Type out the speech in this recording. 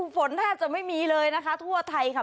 ฝนแทบจะไม่มีเลยนะคะทั่วไทยค่ะ